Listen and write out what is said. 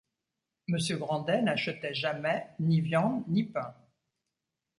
Monsieur Grandet n’achetait jamais ni viande ni pain.